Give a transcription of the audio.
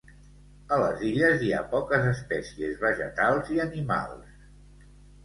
A les illes hi ha poques espècies vegetals i animals.